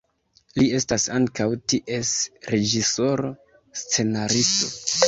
Li estas ankaŭ ties reĝisoro, scenaristo.